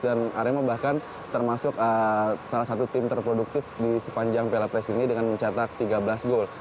dan arema bahkan termasuk salah satu tim terproduktif di sepanjang pla presiden ini dengan mencatat tiga belas gol